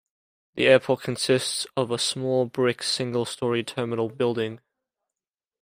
The airport consists of a small brick single storey terminal building.